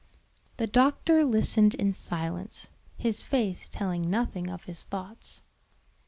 The doctor listened in silence, his face telling nothing of his thoughts.